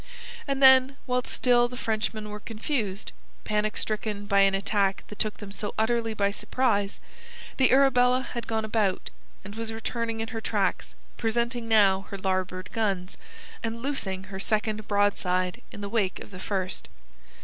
And then whilst still the Frenchmen were confused, panic stricken by an attack that took them so utterly by surprise, the Arabella had gone about, and was returning in her tracks, presenting now her larboard guns, and loosing her second broadside in the wake of the first.